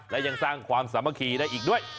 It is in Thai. และยังสร้างความสามัคคีได้อีกด้วย